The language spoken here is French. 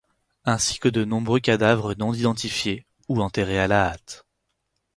Ainsi que de nombreux cadavres non identifiés ou enterrés à la hâte.